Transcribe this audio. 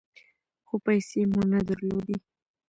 خو پیسې مو نه درلودې .